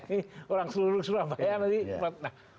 ini orang seluruh surabaya